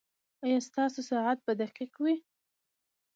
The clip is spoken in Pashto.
ایا ستاسو ساعت به دقیق وي؟